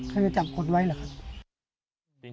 เขาจะจับขนไว้นะครับ